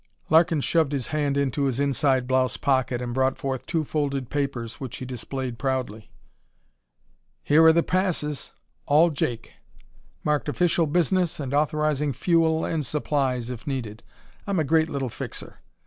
Larkin shoved his hand into his inside blouse pocket and brought forth two folded papers which he displayed proudly. "Here are the passes all jake! Marked official business and authorizing fuel and supplies, if needed. I'm a great little fixer.